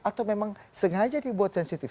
atau memang sengaja dibuat sensitif